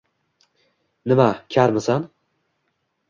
“Nima karmisan?”